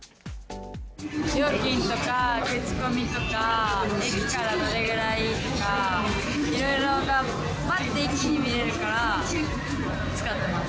料金とか口コミとか、駅からどれぐらいとか、いろいろ、ばって一気に見れるから、使ってます。